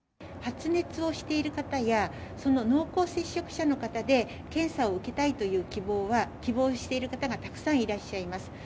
発熱をしている方や、その濃厚接触者の方で、検査を受けたいという希望は、希望している方がたくさんいらっしゃいます。